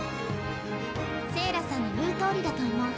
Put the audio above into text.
聖良さんの言うとおりだと思う。